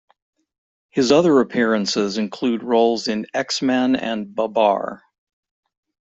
His other appearances include roles in "X-Men" and "Babar.